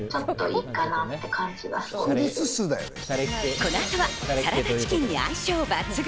この後はサラダチキンに相性抜群。